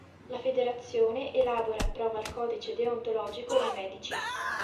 La Federazione elabora e approva il codice deontologico dei medici.